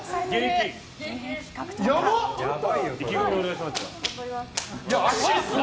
意気込みをお願いします。